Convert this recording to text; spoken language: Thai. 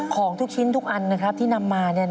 ของทุกชิ้นทุกอันนะครับที่นำมา